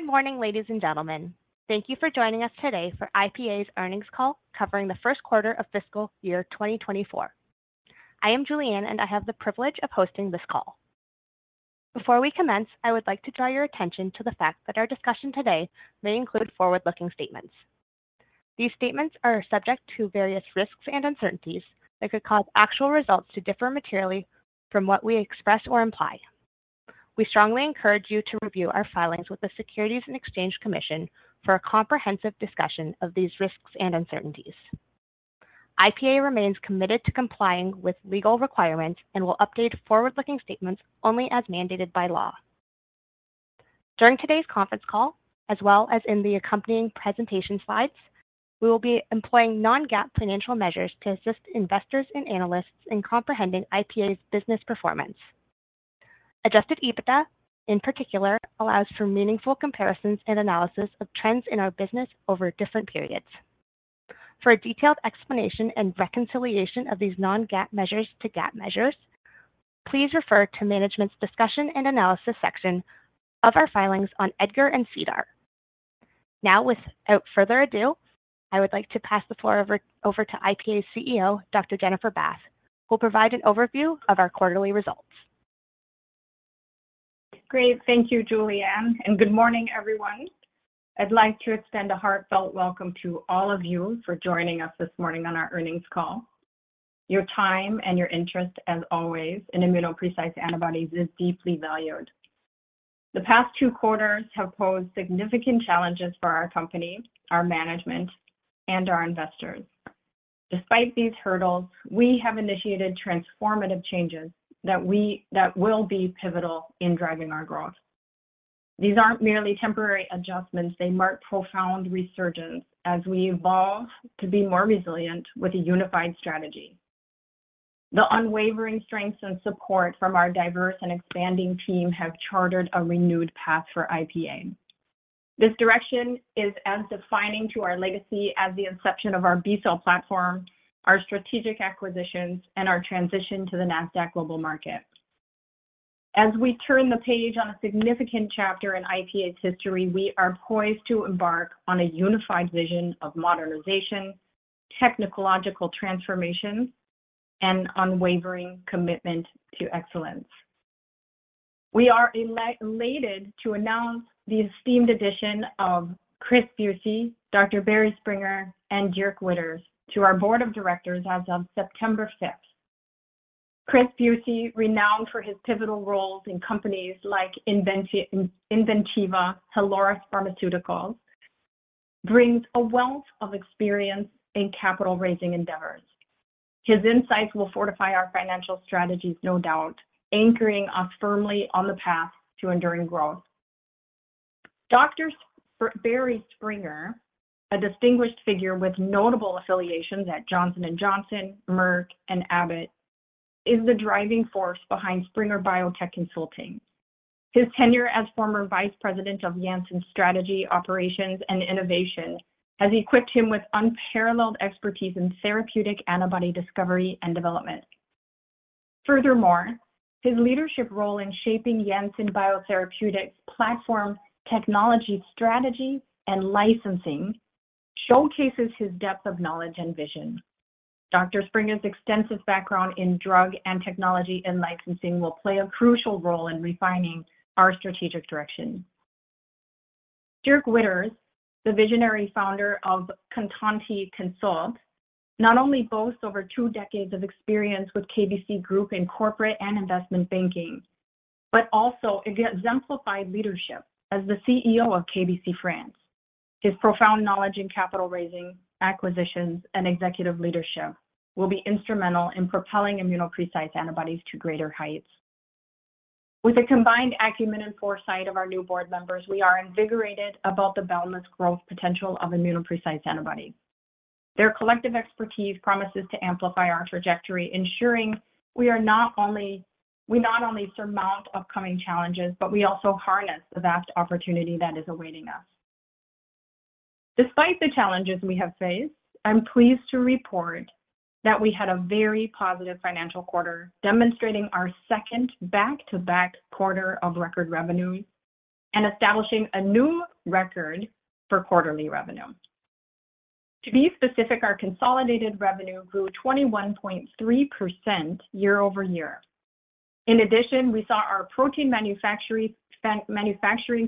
Good morning, ladies and gentlemen. Thank you for joining us today for IPA's earnings call covering the first quarter of fiscal year 2024. I am Julianne, and I have the privilege of hosting this call. Before we commence, I would like to draw your attention to the fact that our discussion today may include forward-looking statements. These statements are subject to various risks and uncertainties that could cause actual results to differ materially from what we express or imply. We strongly encourage you to review our filings with the Securities and Exchange Commission for a comprehensive discussion of these risks and uncertainties. IPA remains committed to complying with legal requirements and will update forward-looking statements only as mandated by law. During today's conference call, as well as in the accompanying presentation slides, we will be employing non-GAAP financial measures to assist investors and analysts in comprehending IPA's business performance. Adjusted EBITDA, in particular, allows for meaningful comparisons and analysis of trends in our business over different periods. For a detailed explanation and reconciliation of these non-GAAP measures to GAAP measures, please refer to Management's Discussion and Analysis section of our filings on EDGAR and SEDAR. Now, without further ado, I would like to pass the floor over to IPA's CEO, Dr. Jennifer Bath, who'll provide an overview of our quarterly results. Great. Thank you, Julianne, and good morning, everyone. I'd like to extend a heartfelt welcome to all of you for joining us this morning on our earnings call. Your time and your interest, as always, in ImmunoPrecise Antibodies is deeply valued. The past two quarters have posed significant challenges for our company, our management, and our investors. Despite these hurdles, we have initiated transformative changes that will be pivotal in driving our growth. These aren't merely temporary adjustments. They mark profound resurgence as we evolve to be more resilient with a unified strategy. The unwavering strength and support from our diverse and expanding team have chartered a renewed path for IPA. This direction is as defining to our legacy as the inception of our B cell platform, our strategic acquisitions, and our transition to the Nasdaq Global Market. As we turn the page on a significant chapter in IPA's history, we are poised to embark on a unified vision of modernization, technological transformation, and unwavering commitment to excellence. We are elated to announce the esteemed addition of Chris Buyse, Dr. Barry Springer, and Dirk Witters to our Board of Directors as of September 5th. Chris Buyse, renowned for his pivotal roles in companies like Inventiva, Hyloris Pharmaceuticals, brings a wealth of experience in capital-raising endeavors. His insights will fortify our financial strategies, no doubt anchoring us firmly on the path to enduring growth. Dr. Barry Springer, a distinguished figure with notable affiliations at Johnson & Johnson, Merck, and Abbott, is the driving force behind Springer Bio-Tech Consulting. His tenure as former Vice President of Janssen Strategy, Operations, and Innovation has equipped him with unparalleled expertise in therapeutic antibody discovery and development. Furthermore, his leadership role in shaping Janssen Biotherapeutics' platform, technology strategy, and licensing showcases his depth of knowledge and vision. Dr. Springer's extensive background in drug and technology and licensing will play a crucial role in refining our strategic direction. Dirk Witters, the visionary founder of Conanti Consult, not only boasts over two decades of experience with KBC Group in corporate and investment banking, but also exemplified leadership as the CEO of KBC France. His profound knowledge in capital raising, acquisitions, and executive leadership will be instrumental in propelling ImmunoPrecise Antibodies to greater heights. With the combined acumen and foresight of our new board members, we are invigorated about the boundless growth potential of ImmunoPrecise Antibodies. Their collective expertise promises to amplify our trajectory, ensuring we not only surmount upcoming challenges, but we also harness the vast opportunity that is awaiting us. Despite the challenges we have faced, I'm pleased to report that we had a very positive financial quarter, demonstrating our second back-to-back quarter of record revenue and establishing a new record for quarterly revenue. To be specific, our consolidated revenue grew 21.3% year-over-year. In addition, we saw our protein manufacturing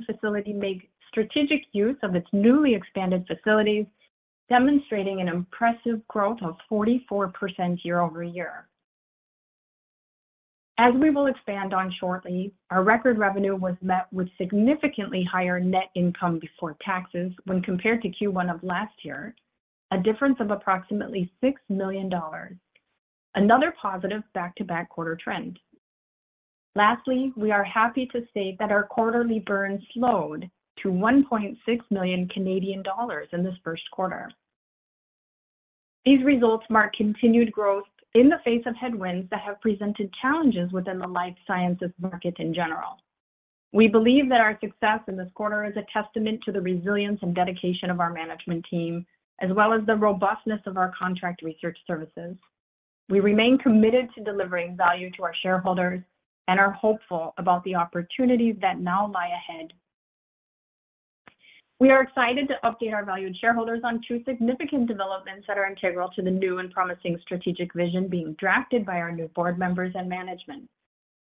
facility make strategic use of its newly expanded facilities, demonstrating an impressive growth of 44% year-over-year. As we will expand on shortly, our record revenue was met with significantly higher net income before taxes when compared to Q1 of last year, a difference of approximately $6 million, another positive back-to-back quarter trend. Lastly, we are happy to state that our quarterly burn slowed to 1.6 million Canadian dollars in this first quarter. These results mark continued growth in the face of headwinds that have presented challenges within the life sciences market in general. We believe that our success in this quarter is a testament to the resilience and dedication of our management team, as well as the robustness of our contract research services. We remain committed to delivering value to our shareholders and are hopeful about the opportunities that now lie ahead. We are excited to update our valued shareholders on two significant developments that are integral to the new and promising strategic vision being drafted by our new board members and management.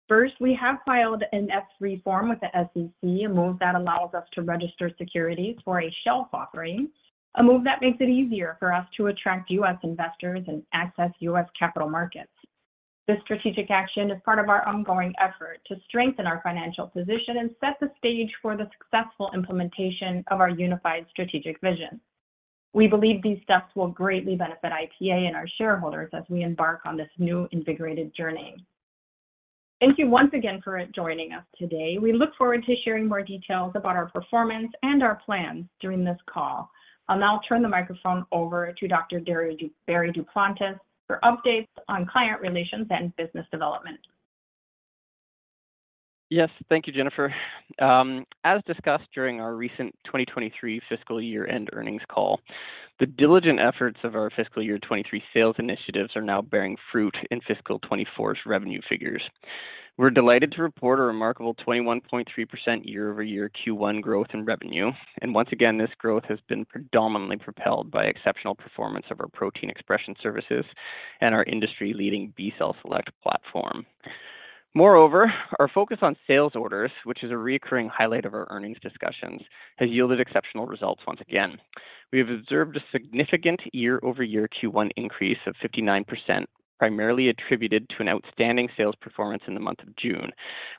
First, we have filed an S-3 form with the SEC, a move that allows us to register securities for a shelf offering, a move that makes it easier for us to attract U.S. investors and access U.S. capital markets. This strategic action is part of our ongoing effort to strengthen our financial position and set the stage for the successful implementation of our unified strategic vision. We believe these steps will greatly benefit IPA and our shareholders as we embark on this new, invigorated journey. Thank you once again for joining us today. We look forward to sharing more details about our performance and our plans during this call. I'll now turn the microphone over to Dr. Barry Duplantis for updates on client relations and business development. Yes, thank you, Jennifer. As discussed during our recent 2023 fiscal year-end earnings call, the diligent efforts of our fiscal year 2023 sales initiatives are now bearing fruit in fiscal 2024's revenue figures. We're delighted to report a remarkable 21.3% year-over-year Q1 growth in revenue, and once again, this growth has been predominantly propelled by exceptional performance of our protein expression services and our industry-leading B cell Select platform. Moreover, our focus on sales orders, which is a recurring highlight of our earnings discussions, has yielded exceptional results once again. We have observed a significant year-over-year Q1 increase of 59%, primarily attributed to an outstanding sales performance in the month of June,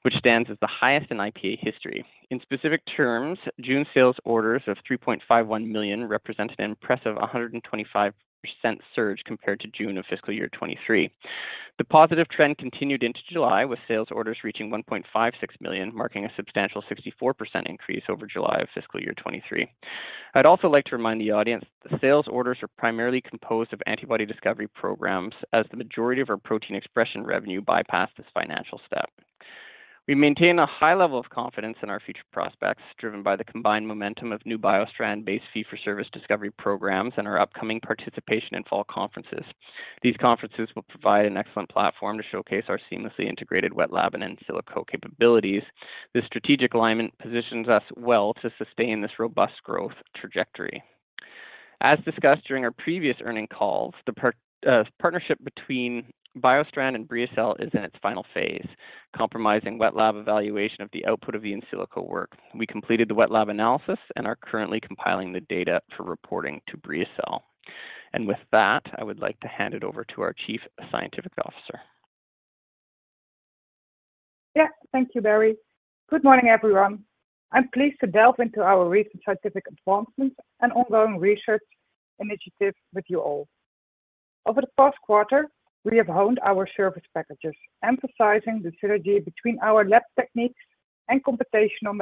which stands as the highest in IPA history. In specific terms, June sales orders of 3.51 million represented an impressive 125% surge compared to June of fiscal year 2023. The positive trend continued into July, with sales orders reaching 1.56 million, marking a substantial 64% increase over July of fiscal year 2023. I'd also like to remind the audience that sales orders are primarily composed of antibody discovery programs, as the majority of our protein expression revenue bypass this financial step. We maintain a high level of confidence in our future prospects, driven by the combined momentum of new BioStrand-based fee-for-service discovery programs and our upcoming participation in fall conferences. These conferences will provide an excellent platform to showcase our seamlessly integrated wet lab and in silico capabilities. This strategic alignment positions us well to sustain this robust growth trajectory. As discussed during our previous earnings calls, the partnership between BioStrand and BriaCell is in its final phase, comprising wet lab evaluation of the output of the in silico work. We completed the wet lab analysis and are currently compiling the data for reporting to BriaCell. With that, I would like to hand it over to our Chief Scientific Officer. Yeah. Thank you, Barry. Good morning, everyone. I'm pleased to delve into our recent scientific advancements and ongoing research initiatives with you all. Over the past quarter, we have honed our service packages, emphasizing the synergy between our lab techniques and computational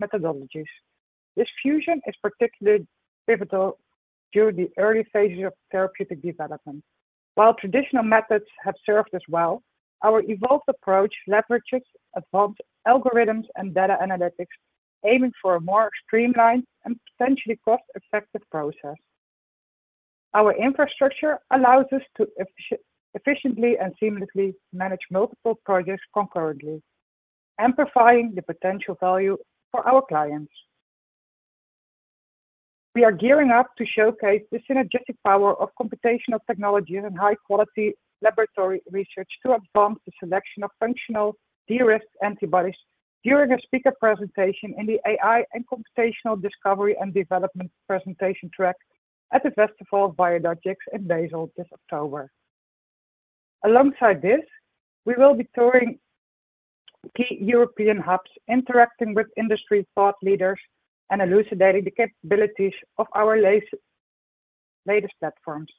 methodologies. This fusion is particularly pivotal during the early phases of therapeutic development. While traditional methods have served us well, our evolved approach leverages advanced algorithms and data analytics, aiming for a more streamlined and potentially cost-effective process. Our infrastructure allows us to efficiently and seamlessly manage multiple projects concurrently, amplifying the potential value for our clients. We are gearing up to showcase the synergetic power of computational technologies and high-quality laboratory research to advance the selection of functional DRs antibodies during a speaker presentation in the AI and Computational Discovery and Development presentation track at the Festival of Biologics in Basel, this October. Alongside this, we will be touring key European hubs, interacting with industry thought leaders, and elucidating the capabilities of our latest, latest platforms.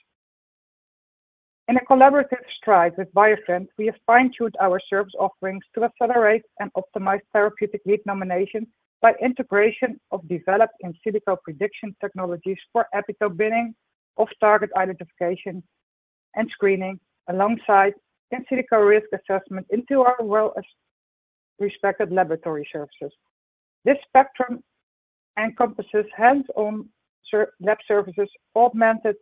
In a collaborative stride with BioStrand, we have fine-tuned our service offerings to accelerate and optimize therapeutic lead nominations by integration of developed in silico prediction technologies for epitope bidding, off-target identification, and screening, alongside in silico risk assessment into our well-respected laboratory services. This spectrum encompasses hands-on lab services, augmented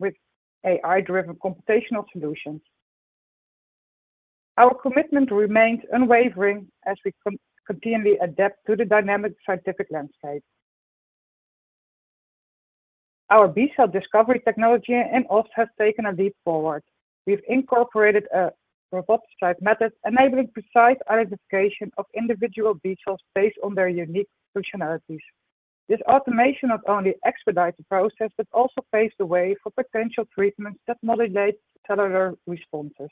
with AI-driven computational solutions. Our commitment remains unwavering as we continually adapt to the dynamic scientific landscape. Our B cell discovery technology and also have taken a leap forward. We've incorporated a robot-type method, enabling precise identification of individual B cells based on their unique functionalities. This automation not only expedites the process, but also paves the way for potential treatments that modulate cellular responses.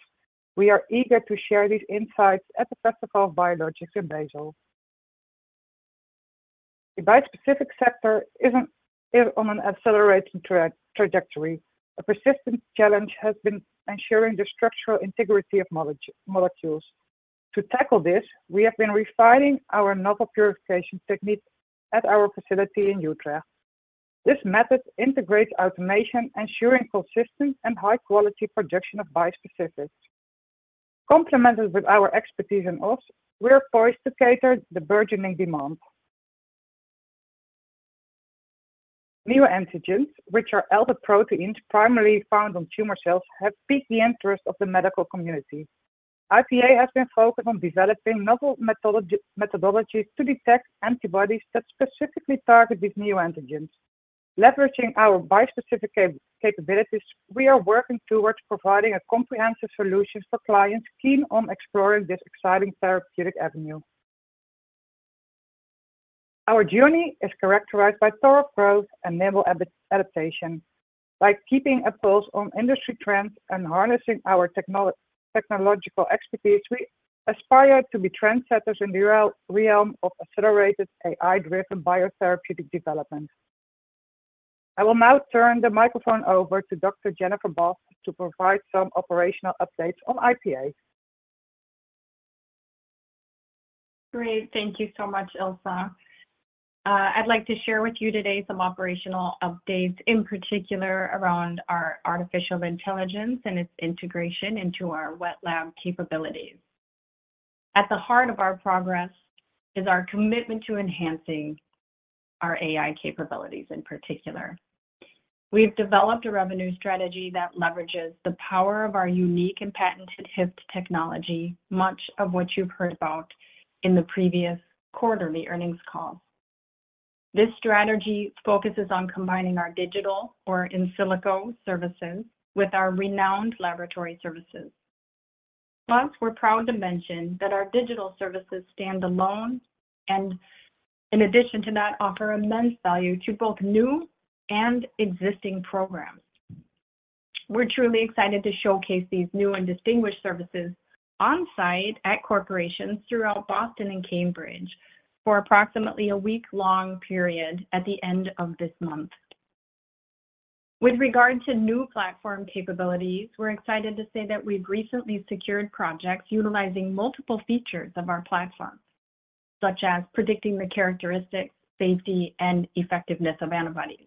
We are eager to share these insights at the Festival of Biologics in Basel. The bispecific sector isn't on an accelerating trajectory. A persistent challenge has been ensuring the structural integrity of molecules. To tackle this, we have been refining our novel purification techniques at our facility in Utrecht. This method integrates automation, ensuring consistent and high quality production of bispecifics. Complemented with our expertise in house, we are poised to cater the burgeoning demand. Neoantigens, which are altered proteins primarily found on tumor cells, have piqued the interest of the medical community. IPA has been focused on developing novel methodologies to detect antibodies that specifically target these neoantigens. Leveraging our bispecific capabilities, we are working towards providing a comprehensive solution for clients keen on exploring this exciting therapeutic avenue. Our journey is characterized by thorough growth and nimble adaptation. By keeping a pulse on industry trends and harnessing our technological expertise, we aspire to be trendsetters in the realm of accelerated AI-driven biotherapeutic development. I will now turn the microphone over to Dr. Jennifer Bath to provide some operational updates on IPA. Great. Thank you so much, Ilse. I'd like to share with you today some operational updates, in particular, around our artificial intelligence and its integration into our wet lab capabilities. At the heart of our progress is our commitment to enhancing our AI capabilities, in particular. We've developed a revenue strategy that leverages the power of our unique and patented HYFT technology, much of which you've heard about in the previous quarterly earnings call. This strategy focuses on combining our digital or in silico services with our renowned laboratory services. Plus, we're proud to mention that our digital services stand alone, and in addition to that, offer immense value to both new and existing programs. We're truly excited to showcase these new and distinguished services on-site at corporations throughout Boston and Cambridge for approximately a week-long period at the end of this month. With regard to new platform capabilities, we're excited to say that we've recently secured projects utilizing multiple features of our platform, such as predicting the characteristics, safety, and effectiveness of antibodies.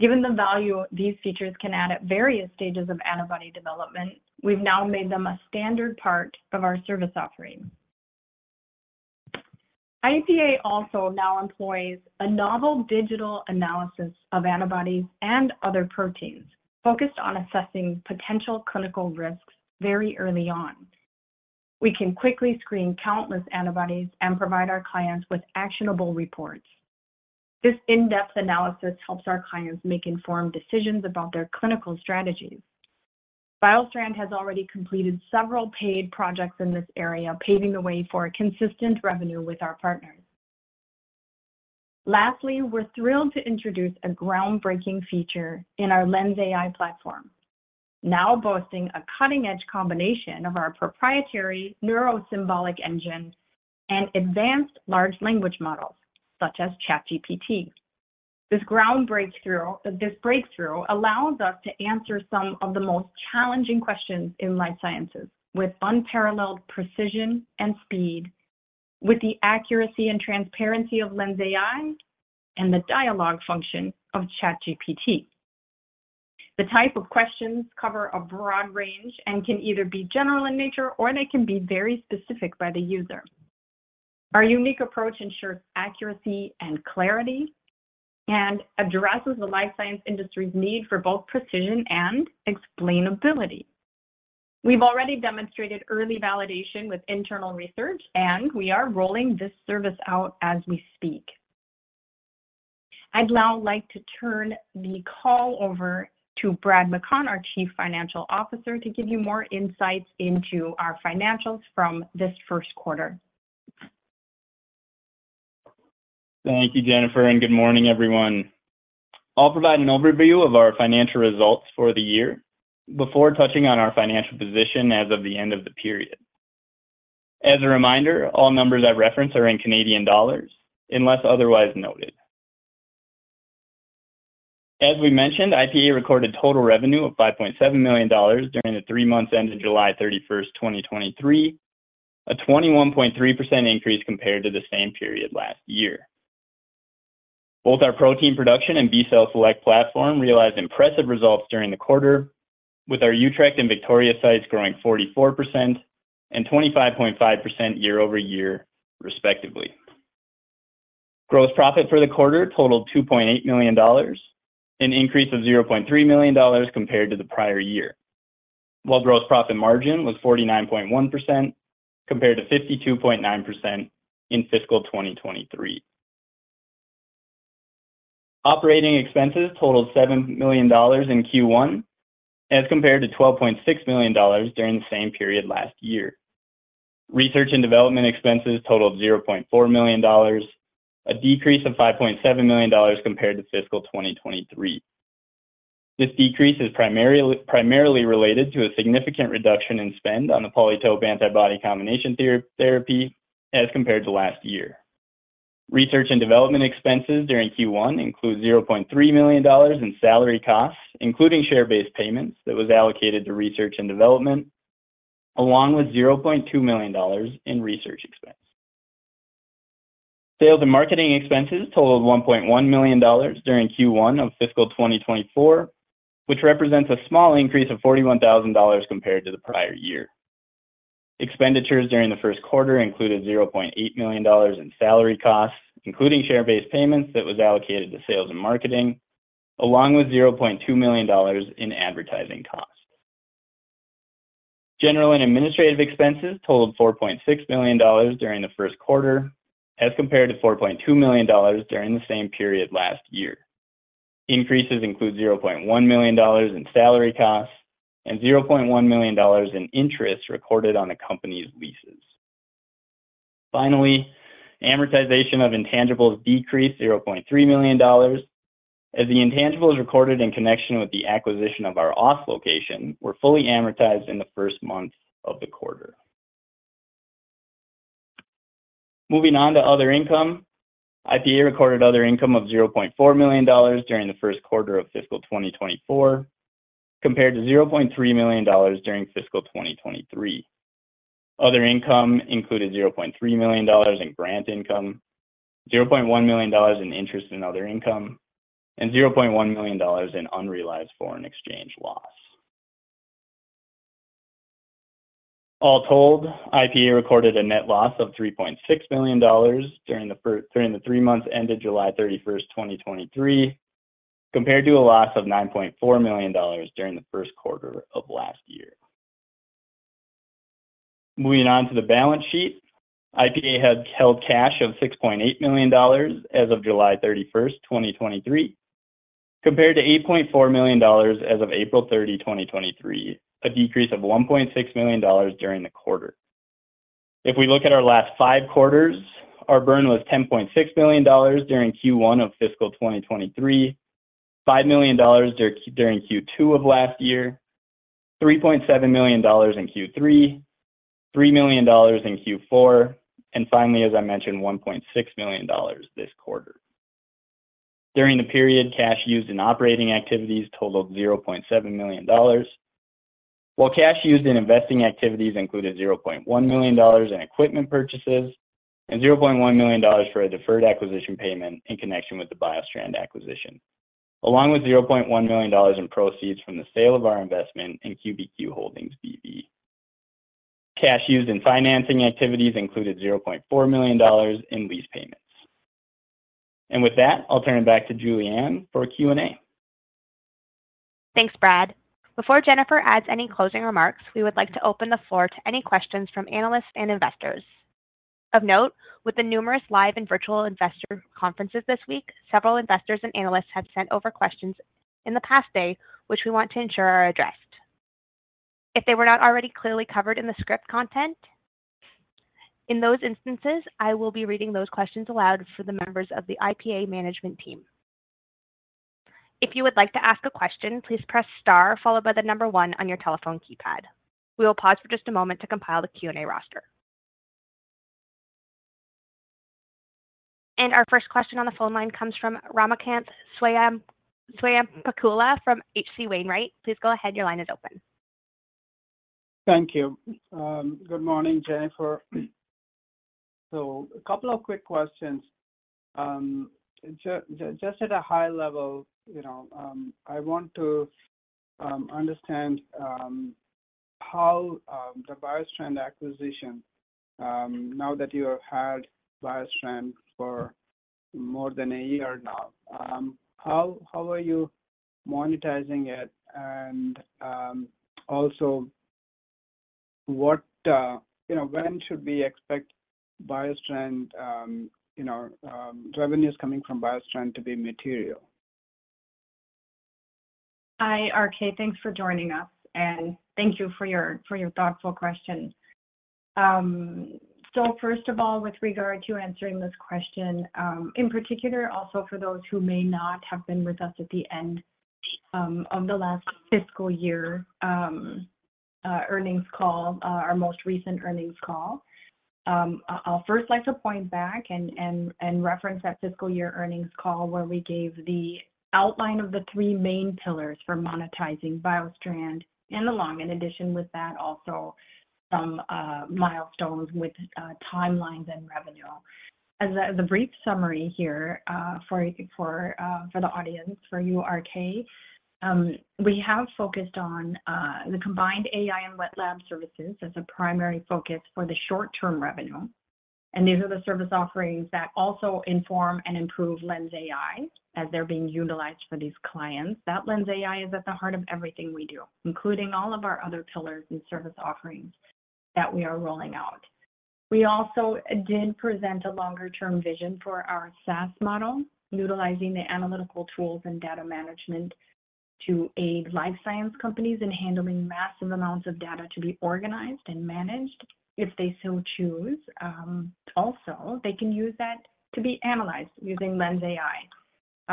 Given the value these features can add at various stages of antibody development, we've now made them a standard part of our service offering. IPA also now employs a novel digital analysis of antibodies and other proteins focused on assessing potential clinical risks very early on. We can quickly screen countless antibodies and provide our clients with actionable reports. This in-depth analysis helps our clients make informed decisions about their clinical strategies. BioStrand has already completed several paid projects in this area, paving the way for consistent revenue with our partners. Lastly, we're thrilled to introduce a groundbreaking feature in our LENSai platform, now boasting a cutting-edge combination of our proprietary neurosymbolic engine and advanced large language models, such as ChatGPT. This breakthrough allows us to answer some of the most challenging questions in life sciences with unparalleled precision and speed, with the accuracy and transparency of LENSai and the dialogue function of ChatGPT. The type of questions cover a broad range and can either be general in nature, or they can be very specific by the user. Our unique approach ensures accuracy and clarity, and addresses the life science industry's need for both precision and explainability. We've already demonstrated early validation with internal research, and we are rolling this service out as we speak. I'd now like to turn the call over to Brad McConn, our Chief Financial Officer, to give you more insights into our financials from this first quarter. Thank you, Jennifer, and good morning, everyone. I'll provide an overview of our financial results for the year before touching on our financial position as of the end of the period. As a reminder, all numbers I reference are in Canadian dollars, unless otherwise noted. As we mentioned, IPA recorded total revenue of 5.7 million dollars during the three months ended July 31st, 2023, a 21.3% increase compared to the same period last year. Both our protein production and B cell Select platform realized impressive results during the quarter, with our Utrecht and Victoria sites growing 44% and 25.5% year-over-year, respectively. Gross profit for the quarter totaled $2.8 million, an increase of $0.3 million compared to the prior year, while gross profit margin was 49.1%, compared to 52.9% in fiscal 2023. Operating expenses totaled $7 million in Q1, as compared to $12.6 million during the same period last year. Research and development expenses totaled $0.4 million, a decrease of $5.7 million compared to fiscal 2023. This decrease is primarily related to a significant reduction in spend on the PolyTope antibody combination therapy as compared to last year. Research and development expenses during Q1 include $0.3 million in salary costs, including share-based payments that was allocated to research and development, along with $0.2 million in research expense. Sales and marketing expenses totaled $1.1 million during Q1 of fiscal 2024, which represents a small increase of $41,000 compared to the prior year. Expenditures during the first quarter included $0.8 million in salary costs, including share-based payments that was allocated to sales and marketing, along with $0.2 million in advertising costs. General and administrative expenses totaled $4.6 million during the first quarter, as compared to $4.2 million during the same period last year. Increases include $0.1 million in salary costs and $0.1 million in interest recorded on the company's leases. Finally, amortization of intangibles decreased $0.3 million, as the intangibles recorded in connection with the acquisition of our Utrecht location were fully amortized in the first month of the quarter. Moving on to other income, IPA recorded other income of $0.4 million during the first quarter of fiscal 2024, compared to $0.3 million during fiscal 2023. Other income included $0.3 million in grant income, $0.1 million in interest in other income, and $0.1 million in unrealized foreign exchange loss. All told, IPA recorded a net loss of $3.6 million during the three months ended July 31st, 2023, compared to a loss of $9.4 million during the first quarter of last year. Moving on to the balance sheet, IPA had held cash of $6.8 million as of July 31st, 2023, compared to $8.4 million as of April 30, 2023, a decrease of $1.6 million during the quarter. If we look at our last five quarters, our burn was $10.6 million during Q1 of fiscal 2023, $5 million during Q2 of last year, $3.7 million in Q3, $3 million in Q4, and finally, as I mentioned, $1.6 million this quarter. During the period, cash used in operating activities totaled $0.7 million, while cash used in investing activities included $0.1 million in equipment purchases and $0.1 million for a deferred acquisition payment in connection with the BioStrand acquisition, along with $0.1 million in proceeds from the sale of our investment in QBQ Holdings BV. Cash used in financing activities included $0.4 million in lease payments. With that, I'll turn it back to Julianne for Q&A. Thanks, Brad. Before Jennifer adds any closing remarks, we would like to open the floor to any questions from analysts and investors. Of note, with the numerous live and virtual investor conferences this week, several investors and analysts have sent over questions in the past day, which we want to ensure are addressed. If they were not already clearly covered in the script content, in those instances, I will be reading those questions aloud for the members of the IPA management team. If you would like to ask a question, please press star followed by the number one on your telephone keypad. We will pause for just a moment to compile the Q&A roster. Our first question on the phone line comes from Ramakanth Swayampakula from H.C. Wainwright. Please go ahead. Your line is open. Thank you. Good morning, Jennifer. So a couple of quick questions. Just at a high level, you know, I want to understand how the BioStrand acquisition, now that you have had BioStrand for more than a year now, how are you monetizing it? And also what... You know, when should we expect BioStrand revenues coming from BioStrand to be material? Hi, RK. Thanks for joining us, and thank you for your thoughtful question. So first of all, with regard to answering this question in particular, also for those who may not have been with us at the end of the last fiscal year earnings call, our most recent earnings call, I'll first like to point back and reference that fiscal year earnings call, where we gave the outline of the three main pillars for monetizing BioStrand, and along in addition with that, also some milestones with timelines and revenue. As a brief summary here, for the audience, for you, RK, we have focused on the combined AI and wet lab services as a primary focus for the short-term revenue. These are the service offerings that also inform and improve LENSai, as they're being utilized for these clients. That LENSai is at the heart of everything we do, including all of our other pillars and service offerings that we are rolling out. We also did present a longer-term vision for our SaaS model, utilizing the analytical tools and data management to aid life science companies in handling massive amounts of data to be organized and managed, if they so choose. Also, they can use that to be analyzed using LENSai.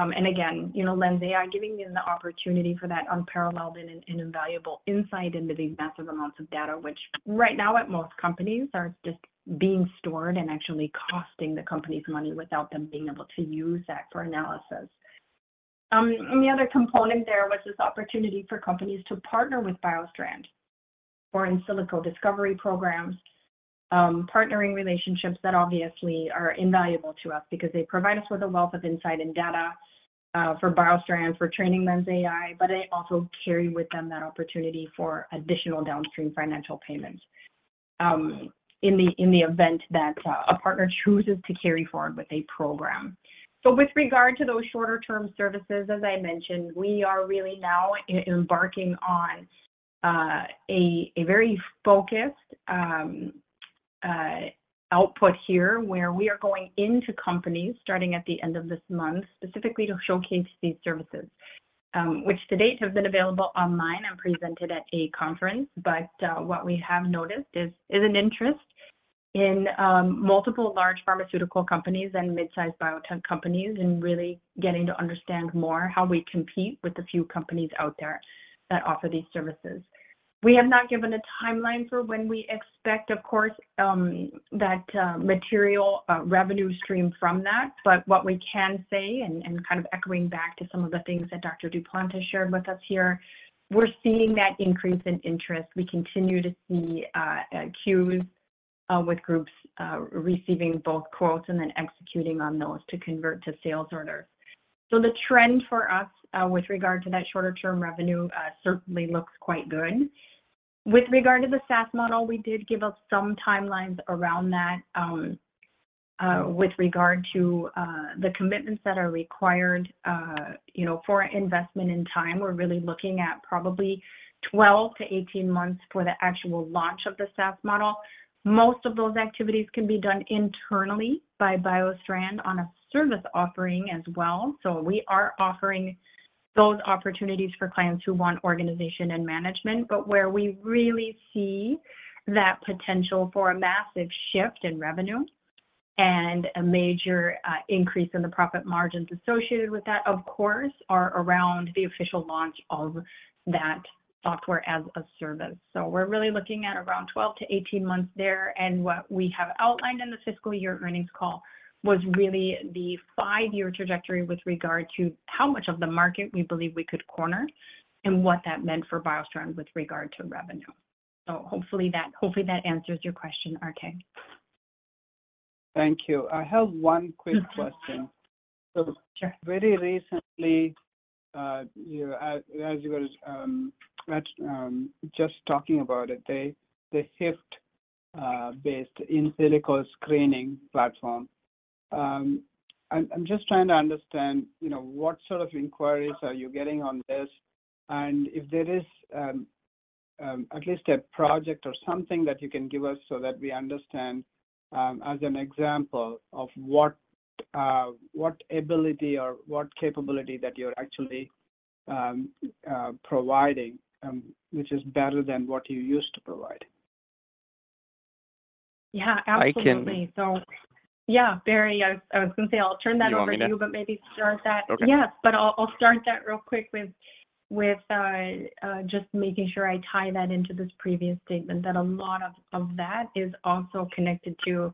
And again, you know, LENSai giving them the opportunity for that unparalleled and invaluable insight into these massive amounts of data, which right now at most companies are just being stored and actually costing the companies money without them being able to use that for analysis. And the other component there was this opportunity for companies to partner with BioStrand for in silico discovery programs. Partnering relationships that obviously are invaluable to us because they provide us with a wealth of insight and data for BioStrand for training LENSai, but they also carry with them that opportunity for additional downstream financial payments in the event that a partner chooses to carry forward with a program. So with regard to those shorter term services, as I mentioned, we are really now embarking on a very focused output here, where we are going into companies starting at the end of this month, specifically to showcase these services. Which to date have been available online and presented at a conference. But what we have noticed is an interest in multiple large pharmaceutical companies and mid-sized biotech companies, and really getting to understand more how we compete with the few companies out there that offer these services. We have not given a timeline for when we expect, of course, that material revenue stream from that. But what we can say, and kind of echoing back to some of the things that Dr. Duplantis has shared with us here, we're seeing that increase in interest. We continue to see queues with groups receiving both quotes and then executing on those to convert to sales orders. So the trend for us with regard to that shorter term revenue certainly looks quite good. With regard to the SaaS model, we did give up some timelines around that, with regard to the commitments that are required, you know, for investment in time. We're really looking at probably 12 to 18 months for the actual launch of the SaaS model. Most of those activities can be done internally by BioStrand on a service offering as well. So we are offering those opportunities for clients who want organization and management. But where we really see that potential for a massive shift in revenue, and a major increase in the profit margins associated with that, of course, are around the official launch of that software as a service. So we're really looking at around 12 to 18 months there, and what we have outlined in the fiscal year earnings call was really the five-year trajectory with regard to how much of the market we believe we could corner, and what that meant for BioStrand with regard to revenue. So hopefully that, hopefully that answers your question, RK. Thank you. I have one quick question. Sure. So, very recently, you know, as you were just talking about it, the HYFT-based in silico screening platform. I'm just trying to understand, you know, what sort of inquiries are you getting on this, and if there is at least a project or something that you can give us so that we understand as an example of what ability or what capability that you're actually providing, which is better than what you used to provide? Yeah, absolutely. I can- So, yeah, Barry, I, I was going to say I'll turn that over to you- You want me to? Maybe start that. Okay. Yes, but I'll start that real quick with just making sure I tie that into this previous statement, that a lot of that is also connected to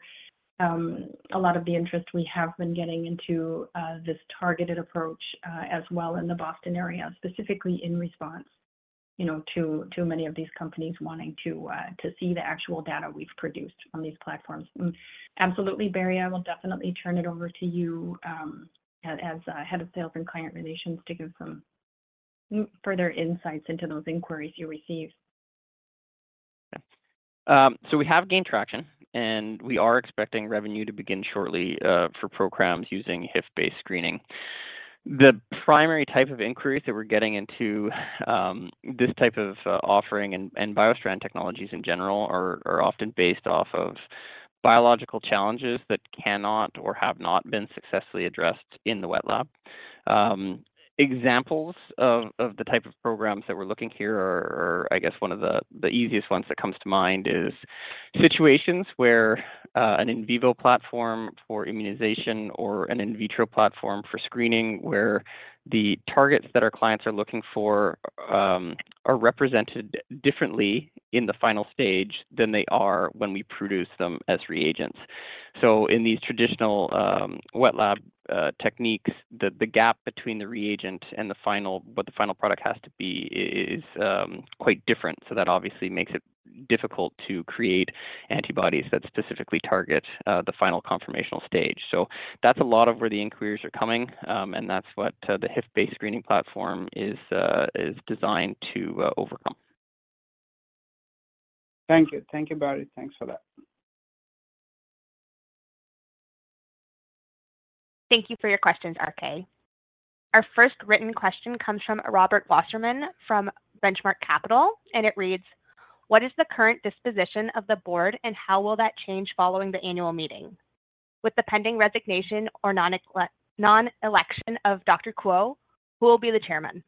a lot of the interest we have been getting into this targeted approach as well in the Boston area, specifically in response, you know, to many of these companies wanting to see the actual data we've produced on these platforms. Absolutely, Barry, I will definitely turn it over to you as head of sales and client relations, to give some further insights into those inquiries you received. So we have gained traction, and we are expecting revenue to begin shortly, for programs using HYFT-based screening. The primary type of inquiries that we're getting into this type of offering and BioStrand technologies in general are often based off of biological challenges that cannot or have not been successfully addressed in the wet lab. Examples of the type of programs that we're looking here are, I guess one of the easiest ones that comes to mind is situations where an in vivo platform for immunization or an in vitro platform for screening, where the targets that our clients are looking for are represented differently in the final stage than they are when we produce them as reagents. So in these traditional, wet lab techniques, the gap between the reagent and the final—what the final product has to be is quite different. So that obviously makes it difficult to create antibodies that specifically target the final conformational stage. So that's a lot of where the inquiries are coming, and that's what the HYFT-based screening platform is designed to overcome. Thank you. Thank you, Barry. Thanks for that. Thank you for your questions, RK. Our first written question comes from Robert Wasserman from Benchmark Capital, and it reads: "What is the current disposition of the board, and how will that change following the annual meeting? With the pending resignation or non-election of Dr. Kuo, who will be the chairman?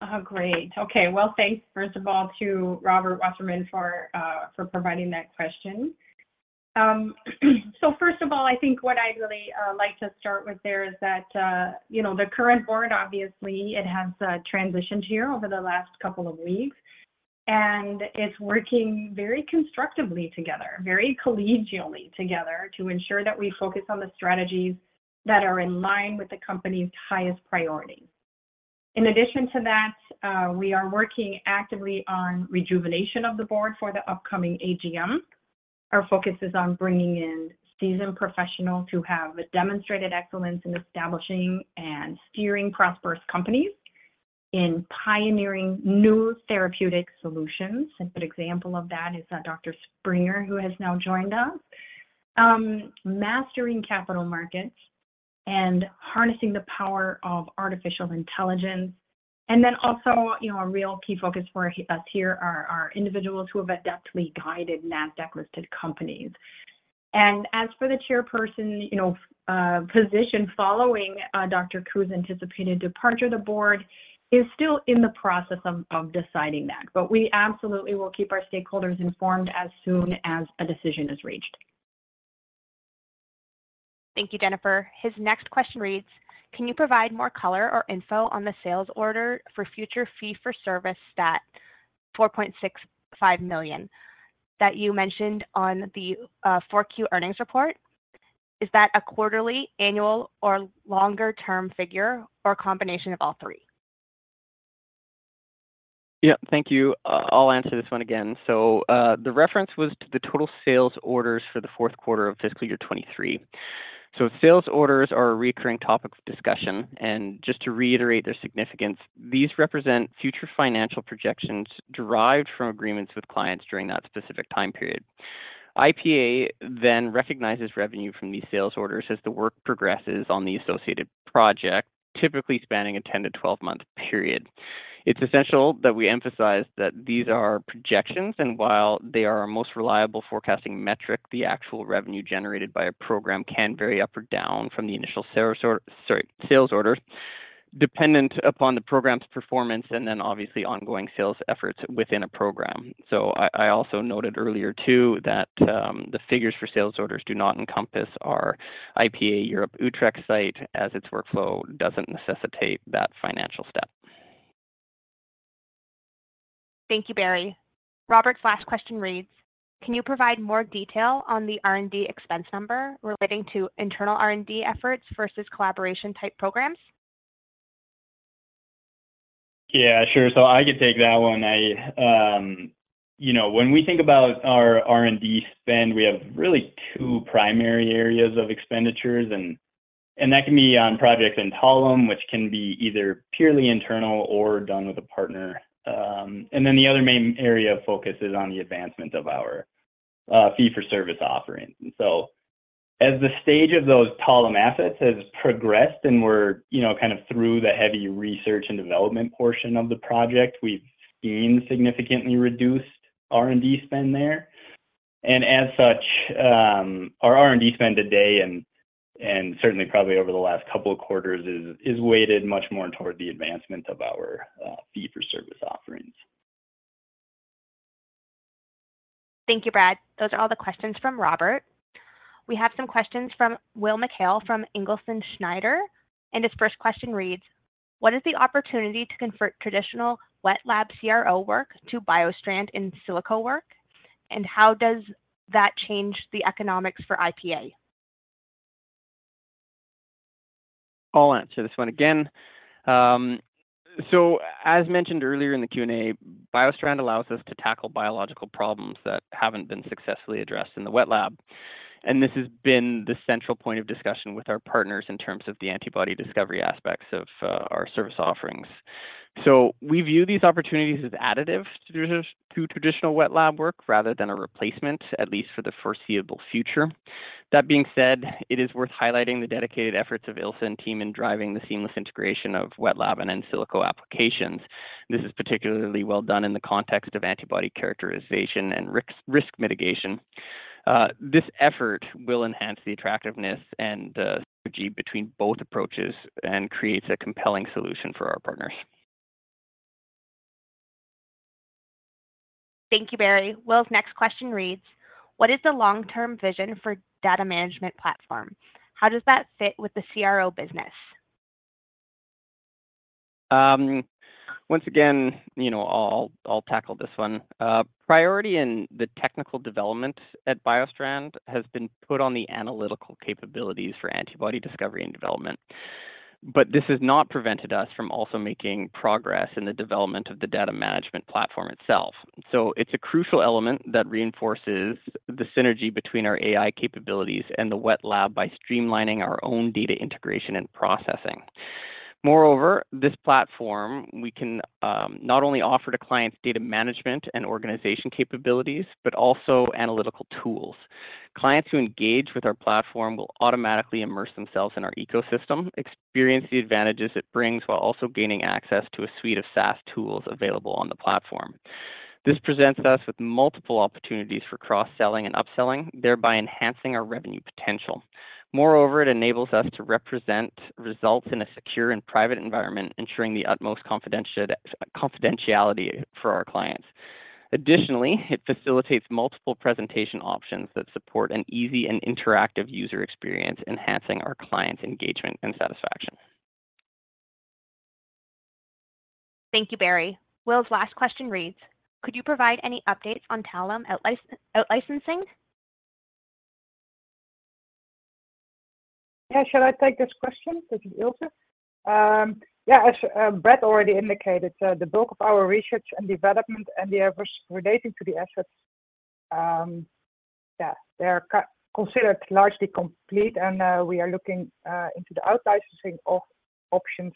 Oh, great! Okay, well, thanks, first of all, to Robert Wasserman for providing that question. So first of all, I think what I'd really like to start with there is that, you know, the current board, obviously, it has transitioned here over the last couple of weeks, and it's working very constructively together, very collegially together, to ensure that we focus on the strategies that are in line with the company's highest priority. In addition to that, we are working actively on rejuvenation of the board for the upcoming AGM. Our focus is on bringing in seasoned professionals who have demonstrated excellence in establishing and steering prosperous companies in pioneering new therapeutic solutions. A good example of that is Dr. Springer, who has now joined us. Mastering capital markets and harnessing the power of artificial intelligence, and then also, you know, a real key focus for us here are individuals who have adeptly guided NASDAQ-listed companies. And as for the chairperson position following Dr. Kuo's anticipated departure, the board is still in the process of deciding that. But we absolutely will keep our stakeholders informed as soon as a decision is reached. Thank you, Jennifer. His next question reads, "Can you provide more color or info on the sales order for future fee-for-service stat, $4.65 million, that you mentioned on the Q4 earnings report? Is that a quarterly, annual, or longer-term figure, or a combination of all three? Yeah, thank you. I'll answer this one again. So, the reference was to the total sales orders for the fourth quarter of fiscal year 2023. So sales orders are a recurring topic of discussion, and just to reiterate their significance, these represent future financial projections derived from agreements with clients during that specific time period. IPA then recognizes revenue from these sales orders as the work progresses on the associated project, typically spanning a 10 to 12-month period. It's essential that we emphasize that these are projections, and while they are our most reliable forecasting metric, the actual revenue generated by a program can vary up or down from the initial sales or, sorry, sales orders, dependent upon the program's performance and then, obviously, ongoing sales efforts within a program. I also noted earlier, too, that the figures for sales orders do not encompass our IPA Europe Utrecht site, as its workflow doesn't necessitate that financial step. Thank you, Barry. Robert's last question reads, "Can you provide more detail on the R&D expense number relating to internal R&D efforts versus collaboration-type programs? Yeah, sure. So I can take that one. I, you know, when we think about our R&D spend, we have really two primary areas of expenditures, and that can be on projects in Talem, which can be either purely internal or done with a partner. And then the other main area of focus is on the advancement of our fee-for-service offerings. And so as the stage of those Talem assets has progressed and we're, you know, kind of through the heavy research and development portion of the project, we've seen significantly reduced R&D spend there. And as such, our R&D spend today and certainly probably over the last couple of quarters is weighted much more toward the advancement of our fee-for-service offerings. Thank you, Brad. Those are all the questions from Robert. We have some questions from Will McHale from Ingalls & Snyder, and his first question reads, "What is the opportunity to convert traditional wet lab CRO work to BioStrand in silico work, and how does that change the economics for IPA? I'll answer this one again. So as mentioned earlier in the Q&A, BioStrand allows us to tackle biological problems that haven't been successfully addressed in the wet lab, and this has been the central point of discussion with our partners in terms of the antibody discovery aspects of our service offerings. So we view these opportunities as additive to traditional wet lab work rather than a replacement, at least for the foreseeable future. That being said, it is worth highlighting the dedicated efforts of Ilse's team in driving the seamless integration of wet lab and in silico applications. This is particularly well done in the context of antibody characterization and risk mitigation. This effort will enhance the attractiveness and the synergy between both approaches and creates a compelling solution for our partners. Thank you, Barry. Will's next question reads, "What is the long-term vision for data management platform? How does that fit with the CRO business? Once again, you know, I'll tackle this one. Priority in the technical development at BioStrand has been put on the analytical capabilities for antibody discovery and development, but this has not prevented us from also making progress in the development of the data management platform itself. So it's a crucial element that reinforces the synergy between our AI capabilities and the wet lab by streamlining our own data integration and processing. Moreover, this platform, we can not only offer to clients data management and organization capabilities, but also analytical tools. Clients who engage with our platform will automatically immerse themselves in our ecosystem, experience the advantages it brings, while also gaining access to a suite of SaaS tools available on the platform. This presents us with multiple opportunities for cross-selling and upselling, thereby enhancing our revenue potential. Moreover, it enables us to represent results in a secure and private environment, ensuring the utmost confidentiality for our clients. Additionally, it facilitates multiple presentation options that support an easy and interactive user experience, enhancing our clients' engagement and satisfaction. Thank you, Barry. Will's last question reads, "Could you provide any updates on Talem out-licensing?... Yeah, shall I take this question? This is Ilse. Yeah, as Brett already indicated, the bulk of our research and development and the efforts relating to the assets, yeah, they're considered largely complete, and we are looking into the out-licensing of options,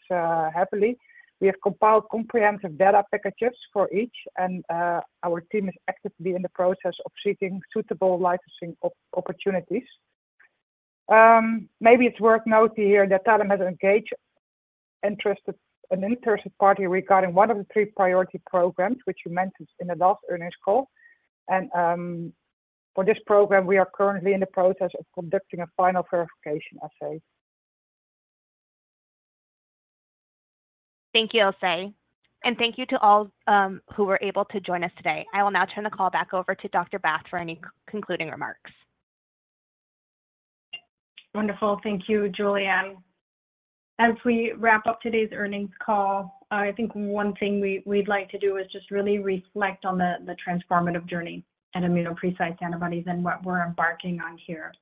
happily. We have compiled comprehensive data packages for each, and our team is actively in the process of seeking suitable licensing opportunities. Maybe it's worth noting here that Talem has engaged an interested party regarding one of the three priority programs, which you mentioned in the last earnings call. And for this program, we are currently in the process of conducting a final verification assay. Thank you, Ilse, and thank you to all, who were able to join us today. I will now turn the call back over to Dr. Bath for any concluding remarks. Wonderful. Thank you, Julianne. As we wrap up today's earnings call, I think one thing we, we'd like to do is just really reflect on the transformative journey at ImmunoPrecise Antibodies and what we're embarking on here.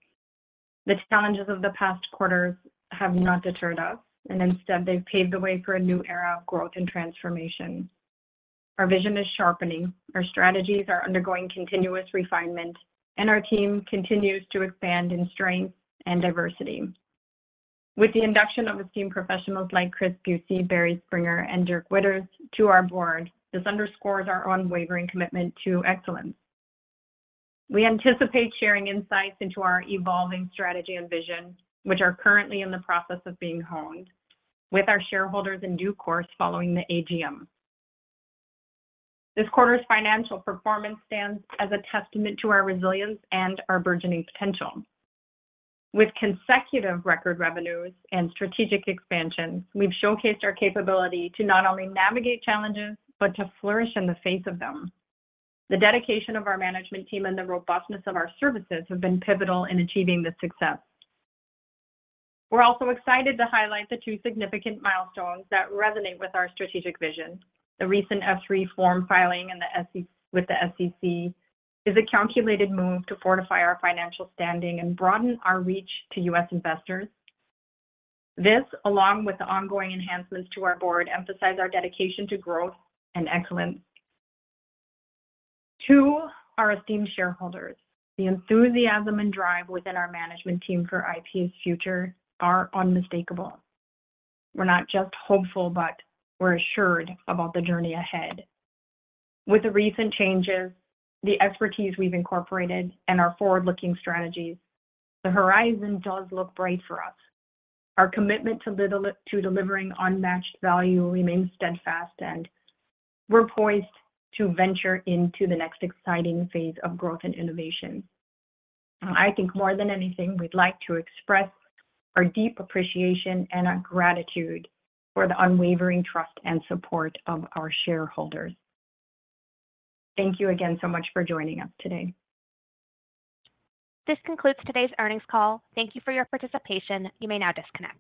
The challenges of the past quarters have not deterred us, and instead, they've paved the way for a new era of growth and transformation. Our vision is sharpening, our strategies are undergoing continuous refinement, and our team continues to expand in strength and diversity. With the induction of esteemed professionals like Chris Buyse, Barry Springer, and Dirk Witters to our board, this underscores our unwavering commitment to excellence. We anticipate sharing insights into our evolving strategy and vision, which are currently in the process of being honed with our shareholders in due course, following the AGM. This quarter's financial performance stands as a testament to our resilience and our burgeoning potential. With consecutive record revenues and strategic expansions, we've showcased our capability to not only navigate challenges, but to flourish in the face of them. The dedication of our management team and the robustness of our services have been pivotal in achieving this success. We're also excited to highlight the two significant milestones that resonate with our strategic vision. The recent S-3 form filing with the SEC is a calculated move to fortify our financial standing and broaden our reach to U.S. investors. This, along with the ongoing enhancements to our board, emphasize our dedication to growth and excellence. To our esteemed shareholders, the enthusiasm and drive within our management team for IP's future are unmistakable. We're not just hopeful, but we're assured about the journey ahead. With the recent changes, the expertise we've incorporated, and our forward-looking strategies, the horizon does look bright for us. Our commitment to delivering unmatched value remains steadfast, and we're poised to venture into the next exciting phase of growth and innovation. I think more than anything, we'd like to express our deep appreciation and our gratitude for the unwavering trust and support of our shareholders. Thank you again so much for joining us today. This concludes today's earnings call. Thank you for your participation. You may now disconnect.